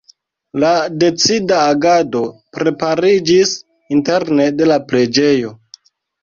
La decida agado prepariĝis interne de la preĝejo.